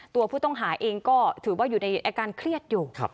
ตัวผู้ต้องหาเองก็ถือว่าอยู่ในอาการเครียดอยู่